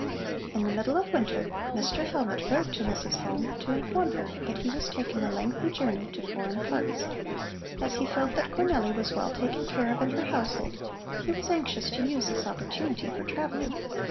In the middle of winter Mr. Hellmut wrote to Mrs. Halm to inform her that he was taking a lengthy journey to foreign parts. As he felt that Cornelli was well taken care of in her household, he was anxious to use this opportunity for travelling.